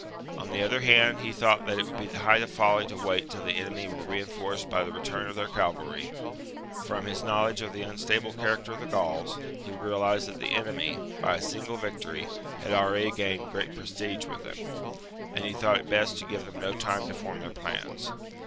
On the other hand, he thought that it would be the height of folly to wait till the enemy were reinforced by the return of their cavalry : from his knowledge of the unstable character of the Gauls, he realized that the enemy, by a single victory, had already gained great prestige with them ; and he thought it best to give them no time to form their plans.